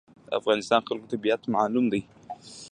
د افغانستان خلکو طبیعت معلوم دی.